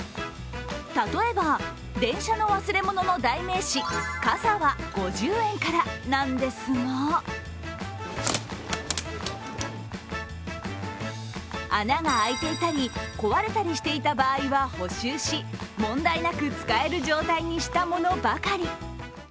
例えば、電車の忘れ物の代名詞、傘は５０円からなんですが穴が開いていたり、壊れたりしていた場合は補修し、問題なく使える状態にしたものばかり。